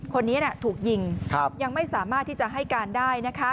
คนนี้ถูกยิงยังไม่สามารถที่จะให้การได้